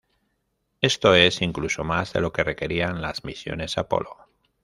Esto es incluso más de lo que requerían las misiones Apolo.